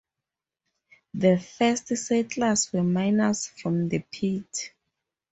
The first settlers were miners from the pit.